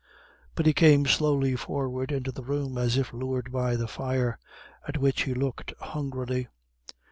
But he came slowly forward into the room as if lured by the fire, at which he looked hungrily.